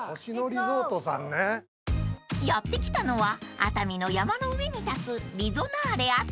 ［やって来たのは熱海の山の上に立つ］